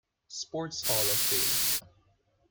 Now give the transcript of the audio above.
Sports Hall of Fame.